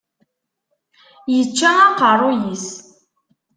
Yečča aqerruy-is.